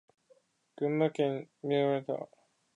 群馬県邑楽町